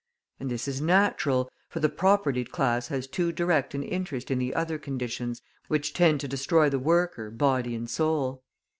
And this is natural, for the propertied class has too direct an interest in the other conditions which tend to destroy the worker body and soul.